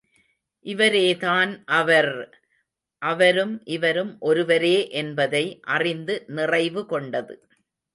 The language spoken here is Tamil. இவரே தான் அவர்! அவரும் இவரும் ஒருவரே என்பதை அறிந்து நிறைவு கொண்டது.